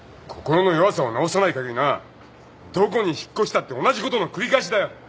心の弱さを治さないかぎりなどこに引っ越したって同じことの繰り返しだよ。